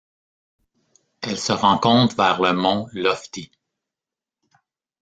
Elle se rencontre vers le mont Lofty.